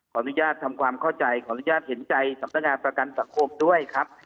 ขออนุญาตทำความเข้าใจขออนุญาตเห็นใจสำนักงานประกันสังคมด้วยครับ